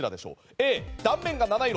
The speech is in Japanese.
Ａ断面が七色！